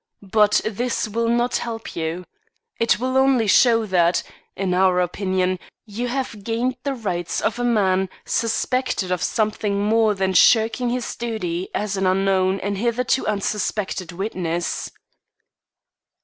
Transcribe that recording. But this will not help you. It will only show that, in our opinion, you have gained the rights of a man suspected of something more than shirking his duty as an unknown and hitherto unsuspected witness."